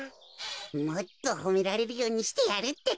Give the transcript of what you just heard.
もっとほめられるようにしてやるってか。